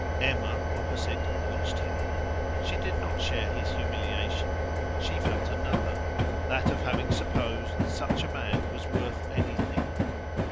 Emma, opposite, watched him; she did not share his humiliation; she felt another that of having supposed such a man was worth anything.